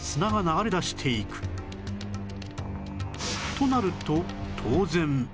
となると当然